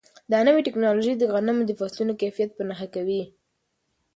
دا نوې ټیکنالوژي د غنمو د فصلونو کیفیت په نښه کوي.